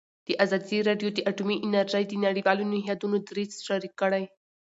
ازادي راډیو د اټومي انرژي د نړیوالو نهادونو دریځ شریک کړی.